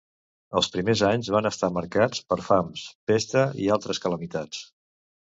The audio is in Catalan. Els primers anys van estar marcats per fams, pesta i altres calamitats.